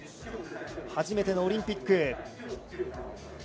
初めてのオリンピック。